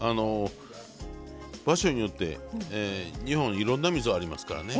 場所によって日本いろんなみそありますからね。